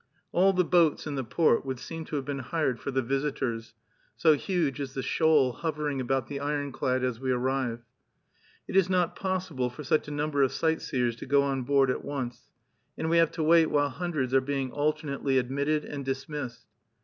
All the boats in the port would seem to have been hired for the visitors, so huge is the shoal hovering about the ironclad as we arrive. It is not possible for such a number of sightseers to go on board at once, and we have to wait while hundreds are being alternately admitted and dismissed.